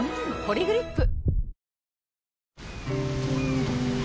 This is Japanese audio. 「ポリグリップ」